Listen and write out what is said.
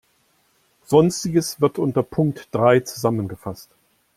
Sonstiges wird unter Punkt drei zusammengefasst.